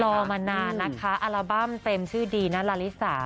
รอมานานนะคะอัลบั้มเต็มชื่อดีนะลาลิสา